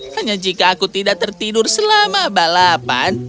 hanya jika aku tidak tertidur selama balapan